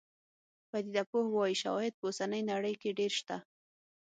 پدیده پوه وايي شواهد په اوسنۍ نړۍ کې ډېر شته.